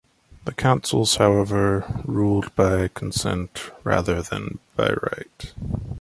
The councils, however, ruled by consent rather than by right.